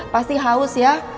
pasti haus ya